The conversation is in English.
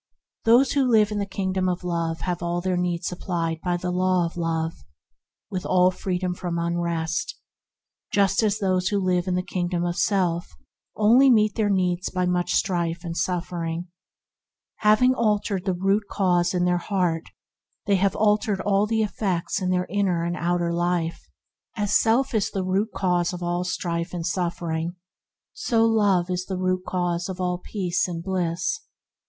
Those who live in the Kingdom of Love have all their needs supplied by the Law of Love, with all freedom from unrest, just as those who live in the kingdom of self only meet their needs by much strife and suffering. Having altered the root cause 74 ENTERING THE KINGDOM in their heart they have altered all the effects in their inner and outer life. As self is the root cause of all strife and suffering, so Love is the root cause of all peace and bliss.